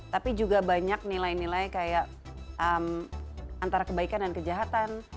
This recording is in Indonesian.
tapi juga banyak nilai nilai kayak antara kebaikan dan kejahatan